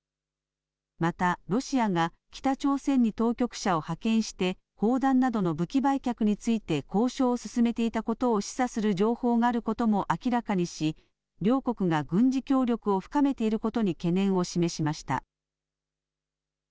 またロシアが北朝鮮に当局者を派遣して砲弾などの武器売却について交渉を進めていたことを示唆する情報があることも明らかにし両国が軍事協力を深めていることに懸念を示しました。